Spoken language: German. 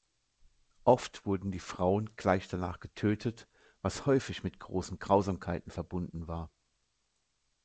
Oft wurden die Frauen gleich danach getötet, was häufig mit großen Grausamkeiten verbunden war.